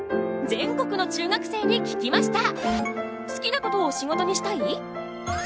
全国の中学生に聞きました！